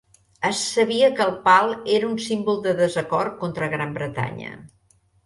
Es sabia que el pal era un símbol de desacord contra Gran Bretanya.